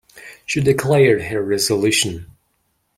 She declared her resolution.